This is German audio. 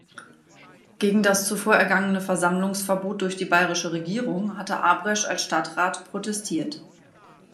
Gegen das zuvor ergangene Versammlungsverbot durch die bayerische Regierung hatte Abresch als Stadtrat protestiert.